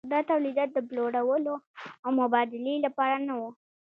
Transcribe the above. دا تولیدات د پلورلو او مبادلې لپاره نه وو.